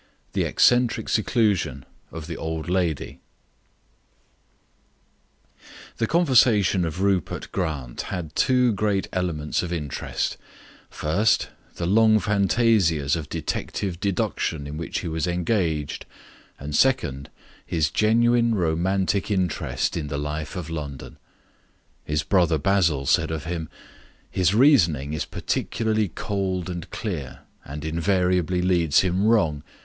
The Eccentric Seclusion of the Old Lady The conversation of Rupert Grant had two great elements of interest first, the long fantasias of detective deduction in which he was engaged, and, second, his genuine romantic interest in the life of London. His brother Basil said of him: "His reasoning is particularly cold and clear, and invariably leads him wrong.